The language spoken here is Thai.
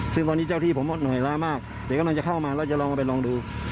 ซึ่งตอนนี้เจ้าที่ผมเหนื่อยล้ามากเดี๋ยวกำลังจะเข้ามาแล้วจะลองเอาไปลองดู